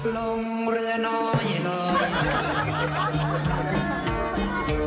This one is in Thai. ลงเรือน้อยหน่อย